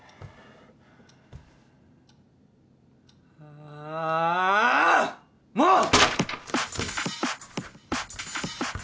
ああっもう！